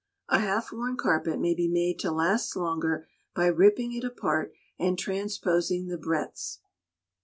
A half worn carpet may be made to last longer by ripping it apart, and transposing the breadths.